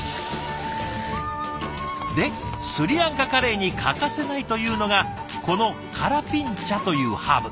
でスリランカカレーに欠かせないというのがこのカラピンチャというハーブ。